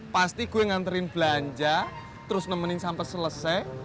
pasti gue nganterin belanja terus nemenin sampai selesai